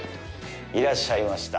いらっしゃいました。